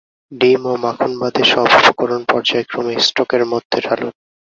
ডিম ও মাখন বাদে বাকি সব উপকরণ পর্যায়ক্রমে স্টকের মধ্যে ঢালুন।